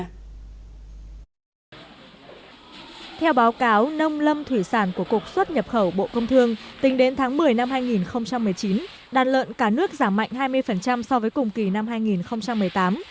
theo báo cáo nông lâm thủy sản của cục xuất nhập khẩu bộ công thương tính đến tháng một mươi năm hai nghìn một mươi chín đàn lợn cả nước giảm mạnh hai mươi so với cùng kỳ năm hai nghìn một mươi tám